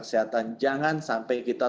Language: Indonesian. kesehatan jangan sampai kita